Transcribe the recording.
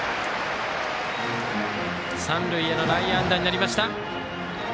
三塁への内野安打になりました。